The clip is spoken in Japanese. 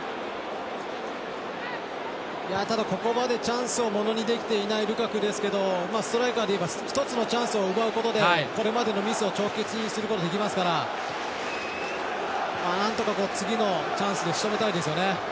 ここまでチャンスをものにできていないルカクですけどストライカーでいえば一つのチャンスを奪うことでこれまでのミスを帳消しにすることができますからなんとか次のチャンスでしとめたいですよね。